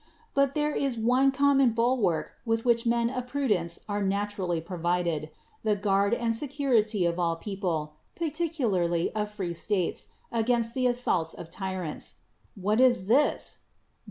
But there is one com mon bulwark with which men of prudence are naturally provided, the guard and security of all people, particularly of free states, against the assaults of tyrants. AYhat is this?